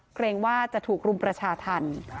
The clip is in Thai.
เกรงว่าจะถูกรุมประชาธรรม